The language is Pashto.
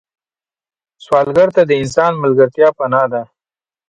سوالګر ته د انسان ملګرتیا پناه ده